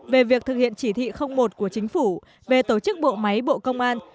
về việc thực hiện chỉ thị một của chính phủ về tổ chức bộ máy bộ công an